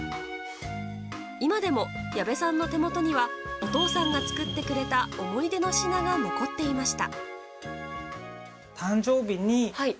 今でも矢部さんの手元にはお父さんが作ってくれた思い出の品が残っていました。